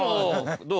どう？